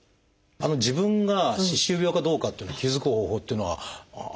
自分が歯周病かどうかっていうのに気付く方法っていうのはあるのかなと。